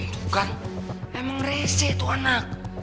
tuh kan emang rese tuh anak